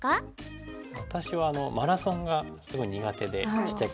私はマラソンがすごい苦手でちっちゃい頃から。